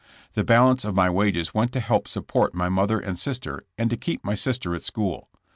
The balance of my wages went to help support my mother and sister, and to keep my sister at school.